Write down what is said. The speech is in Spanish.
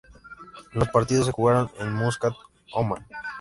Los partidos se jugaron en Muscat, Omán.